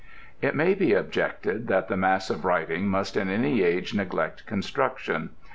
It may be objected that the mass of writing must in any age neglect construction.